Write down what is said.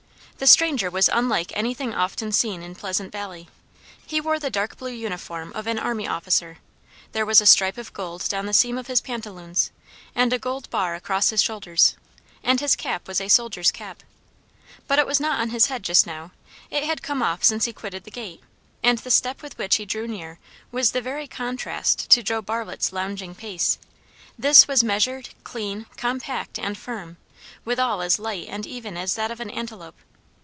The stranger was unlike anything often seen in Pleasant Valley. He wore the dark blue uniform of an army officer; there was a stripe of gold down the seam of his pantaloons and a gold bar across his shoulders, and his cap was a soldier's cap. But it was not on his head just now; it had come off since he quitted the gate; and the step with which he drew near was the very contrast to Joe Bartlett's lounging pace; this was measured, clean, compact, and firm, withal as light and even as that of an antelope.